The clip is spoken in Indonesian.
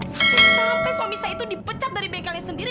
sampai suami saya itu dipecat dari bengkelnya sendiri